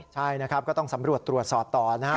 ใช่นะครับก็ต้องสำรวจตรวจสอบต่อนะครับ